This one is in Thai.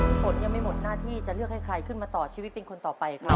ฝนยังไม่หมดหน้าที่จะเลือกให้ใครขึ้นมาต่อชีวิตเป็นคนต่อไปครับ